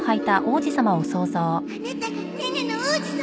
あなたがネネの王子様？